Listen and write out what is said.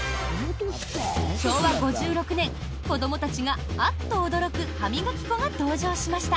昭和５６年子どもたちがあっと驚く歯磨き粉が登場しました。